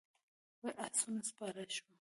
پر آسونو سپاره شوو.